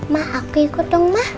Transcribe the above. ma aku ikut dong ma